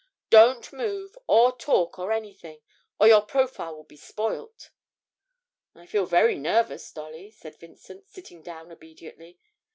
Don't move, or talk, or anything, or your profile will be spoilt!' 'I feel very nervous, Dolly,' said Vincent, sitting down obediently.